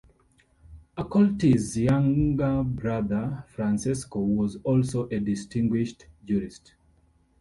Accolti's younger brother Francesco was also a distinguished jurist.